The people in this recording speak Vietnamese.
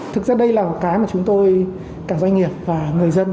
thực ra đây là một cái mà chúng tôi cả doanh nghiệp và người dân